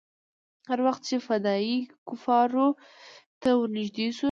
هر وخت چې فدايي کفارو ته ورنژدې سو.